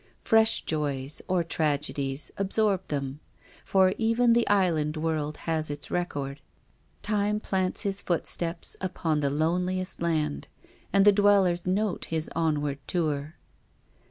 Fresh joys, or tragedies, absorbed them. For even the island world has its record. Time plants his footsteps upon the loneliest land. And the dwellers note his onward tour.